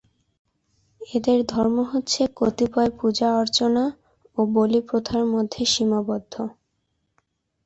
এদের ধর্ম হচ্ছে কতিপয় পূজা-অর্চনা ও বলি প্রথার মধ্যে সীমাবদ্ধ।